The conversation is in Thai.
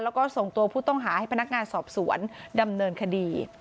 แล้วก็ส่งตัวผู้ต้องหาให้พนักงานสอบสวนดำเนินคดี